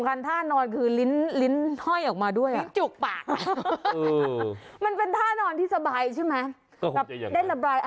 แบบได้ระบายอากาศอย่างนี้ถูกปะ